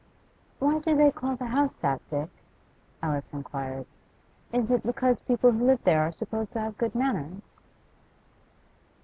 'Why do they call the house that, Dick?' Alice inquired. 'Is it because people who live there are supposed to have good manners?